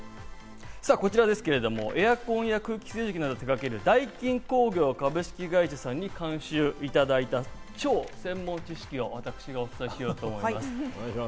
こちらですけれどもエアコンや空気清浄機などを手がけるダイキン工業株式会社さんに監修いただいた超専門知識を私がお伝えしようと思います。